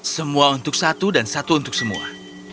semua untuk satu dan satu untuk semua